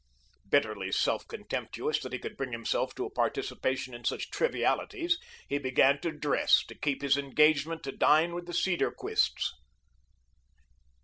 Bitterly self contemptuous that he could bring himself to a participation in such trivialities, he began to dress to keep his engagement to dine with the Cedarquists.